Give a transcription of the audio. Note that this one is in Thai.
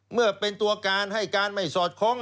เมื่อเป็นตัวการให้การไม่สอดคล้อง